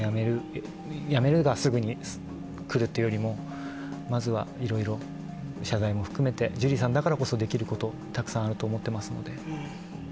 辞めるがすぐに来るというよりも、まずはいろいろ、謝罪も含めて、ジュリーさんだからこそできること、たくさんあると思ってますので。